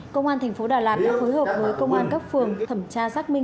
công an thành phố đà lạt đã phối hợp với công an các phường thẩm tra xác minh